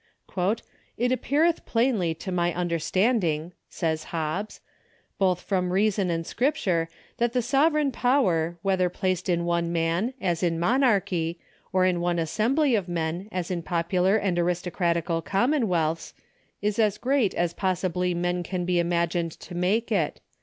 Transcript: " It appeareth plainly to my understanding," says Hobbes,' " both from reason and Scripture, that the sovereign power, whether placed in one man, as in monarchy, or in one assembly of men, as in popular and aristocratical commonwealths, is as great as possibly men can be imagined to make it.